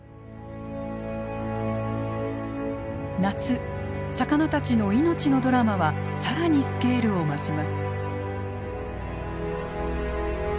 夏魚たちの命のドラマは更にスケールを増します。